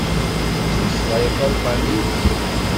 Tettmeslayeḍ talbanit?